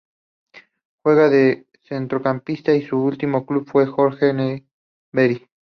Juega de centrocampista y su último club fue el Jorge Newbery.